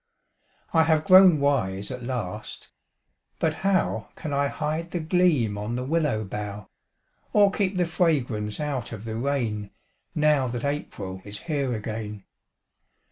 I have grown wise at last but how Can I hide the gleam on the willow bough, Or keep the fragrance out of the rain Now that April is here again?